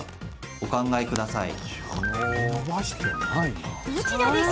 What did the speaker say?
お考えください。